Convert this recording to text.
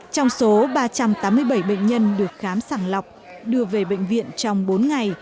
trong số ba trăm tám mươi bảy bệnh nhân được khám sàng lọc đưa về bệnh viện trong bốn ngày